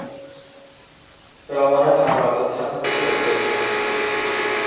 রমনা থানার অবস্থান হচ্ছে -এ।